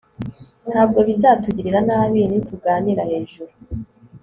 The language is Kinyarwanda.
ntabwo bizatugirira nabi nituganira hejuru